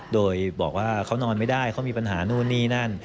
โดยบอกว่าเขานอนไม่ได้เขามีปัญหานู่นนี่นั่น